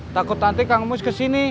takut nanti kang mus kesini